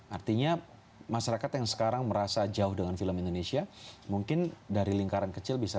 artinya masyarakat yang sekarang merasa jauh dengan film indonesia mungkin dari lingkaran kecil bisa